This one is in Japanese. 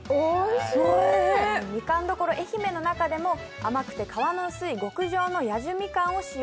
みかんどころ、愛媛の中でも皮の薄い極上の八寿みかんを使用。